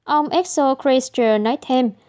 ông axel kreisler nói thêm